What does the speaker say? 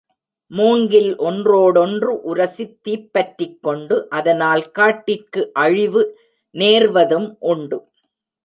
மூங்கில் ஒன்றாேடொன்று உரசித்தீப் பற்றிக்கொண்டு, அதனால் காட்டிற்கு அழிவு நேர்வதும் உண்டு.